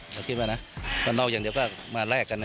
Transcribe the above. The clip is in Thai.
เราคิดว่านะออกนอกอย่างเดียวก็มาแรกกัน